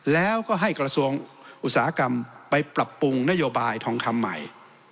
แล้วก็ให้กระทรวงอุตสาหกรรมไปปรับปรุงนโยบายทองคำใหม่